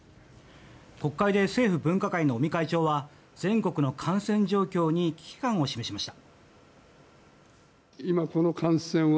国会で政府分科会の尾身会長は全国の感染状況に危機感を示しました。